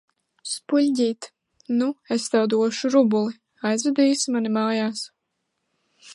Spuļģīt! Nu, es tev došu rubuli. Aizvedīsi mani mājās?